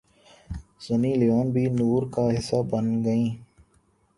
سنی Leone بھی نور کا حصہ بن گئیں